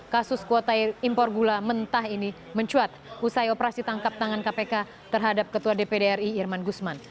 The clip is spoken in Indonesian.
kasus kuota impor gula mentah ini mencuat usai operasi tangkap tangan kpk terhadap ketua dpd ri irman gusman